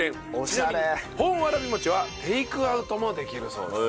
ちなみに本わらびもちはテイクアウトもできるそうです。